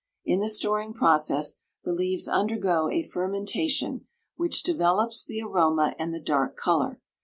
In the storing process the leaves undergo a fermentation which develops the aroma and the dark color.